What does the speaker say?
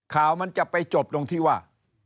ข่าวมันจะไปจบตรงที่ว่า